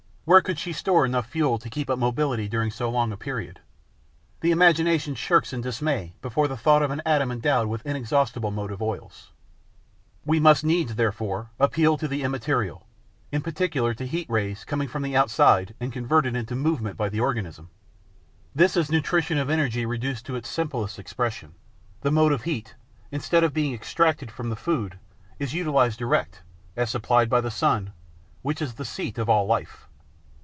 Where could she store enough fuel to keep up mobility during so long a period? The imagination shrinks in dismay before the thought of an atom endowed with inexhaustible motive oils. We must needs, therefore, appeal to the immaterial, in particular to heat rays coming from the outside and converted into movement by the organism. This is nutrition of energy reduced to its simplest expression: the motive heat, instead of being extracted from the food, is utilized direct, as supplied by the sun, which is the seat of all life.